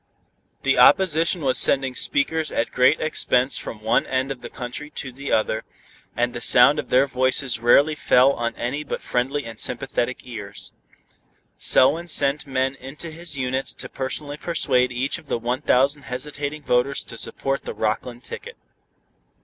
The opposition was sending speakers at great expense from one end of the country to the other, and the sound of their voices rarely fell on any but friendly and sympathetic ears. Selwyn sent men into his units to personally persuade each of the one thousand hesitating voters to support the Rockland ticket.